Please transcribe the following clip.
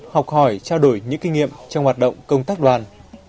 học hỏi trao đổi những kinh nghiệm trong hoạt động công tác đoàn